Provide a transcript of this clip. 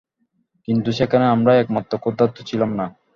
কিন্তু সেখানে আমরাই একমাত্র ক্ষুধার্ত ছিলাম না।